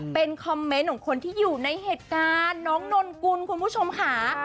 เป็นคอมเมนต์ของคนที่อยู่ในเหตุการณ์น้องนนกุลคุณผู้ชมค่ะ